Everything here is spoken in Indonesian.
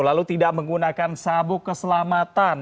lalu tidak menggunakan sabuk keselamatan